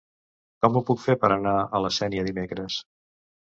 Com ho puc fer per anar a la Sénia dimecres?